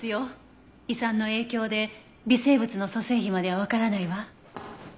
胃酸の影響で微生物の組成比まではわからないわ。